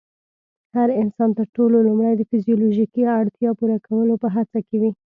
هر انسان تر ټولو لومړی د فزيولوژيکي اړتیا پوره کولو په هڅه کې وي.